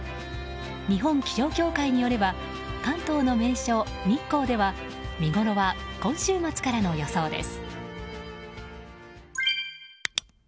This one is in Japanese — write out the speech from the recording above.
日本気象協会によれば関東の名所・日光では見ごろは今週末からの予想です。